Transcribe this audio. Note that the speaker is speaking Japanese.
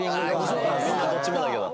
みんなどっちもだけど。